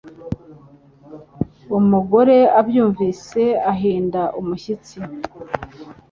Umugore abyumvise ahinda umushyitsi.